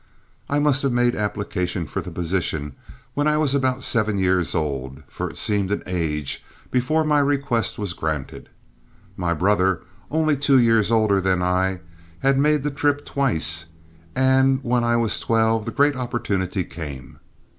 I must have made application for the position when I was about seven years old, for it seemed an age before my request was granted. My brother, only two years older than I, had made the trip twice, and when I was twelve the great opportunity came.